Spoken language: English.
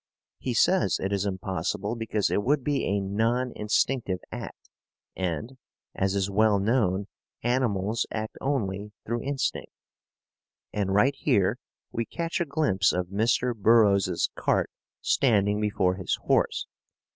He says it is impossible because it would be a non instinctive act, and, as is well known animals act only through instinct. And right here we catch a glimpse of Mr. Burroughs's cart standing before his horse.